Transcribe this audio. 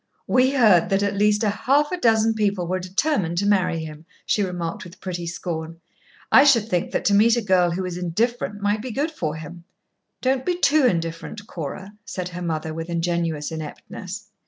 "We heard that at least half a dozen people were determined to marry him," she remarked with pretty scorn. "I should think that to meet a girl who was indifferent might be good for him." "Don't be too indifferent, Cora," said her mother, with ingenuous ineptness.